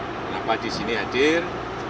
kenapa disini hadir